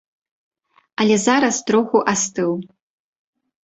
Але зараз троху астыў.